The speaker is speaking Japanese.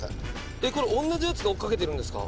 えっこれ同じやつが追っかけてるんですか？